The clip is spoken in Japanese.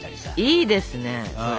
いいですねそれ。